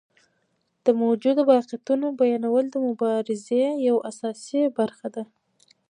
د موجودو واقعیتونو بیانول د مبارزې یوه اساسي برخه ده.